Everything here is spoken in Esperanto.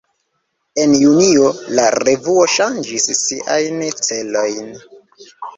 En junio, la revuo ŝanĝis siajn celojn.